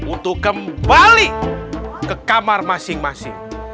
untuk kembali ke kamar masing masing